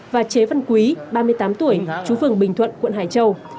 và chế văn quý ba mươi tám tuổi chú phường bình thuận quận hải châu